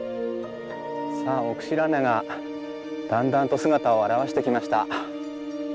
さあ奥白根がだんだんと姿を現してきました。